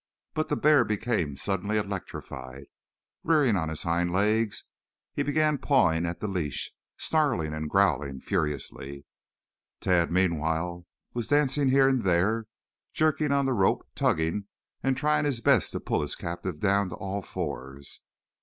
But the bear became suddenly electrified. Rearing on his hind legs he began pawing at the leash, snarling and growling furiously. Tad meanwhile was dancing here and there, jerking on the rope, tugging and trying his best to pull his captive down to all fours.